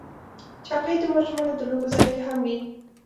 چاکلېټ د ماشومانو د لوبو ځای کې هم وي.